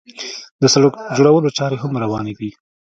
د سړک جوړولو چارې هم روانې دي.